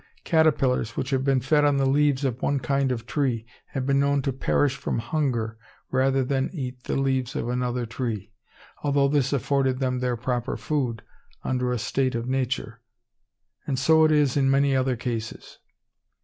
Caterpillars which have been fed on the leaves of one kind of tree, have been known to perish from hunger rather than to eat the leaves of another tree, although this afforded them their proper food, under a state of nature; and so it is in many other cases.